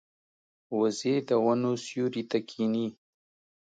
وزې د ونو سیوري ته کیني